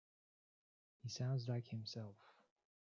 He sounds like himself.